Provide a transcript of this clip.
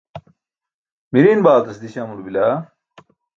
miriiṅ baaltas diś amulo bila?